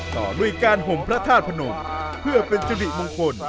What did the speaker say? ต่อด้วยการห่มพระธาตุพนมเพื่อเป็นสิริมงคล